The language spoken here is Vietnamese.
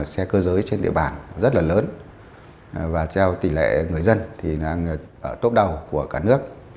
xe cơ giới trên địa bàn rất là lớn và theo tỷ lệ người dân thì là tốt đầu của cả nước